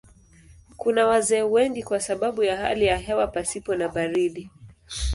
Kuna wazee wengi kwa sababu ya hali ya hewa pasipo na baridi.